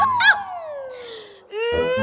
aku mau berbuncung